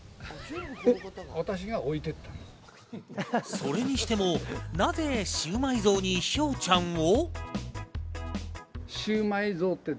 それにしても、なぜシウマイ像にひょうちゃんを？